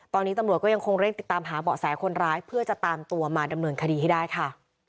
ตอนนี้ตำรวจก็ยังคงเร่งติดตามหาเบาะแสคนร้ายเพื่อจะตามตัวมาดำเนินคดีให้ได้ค่ะ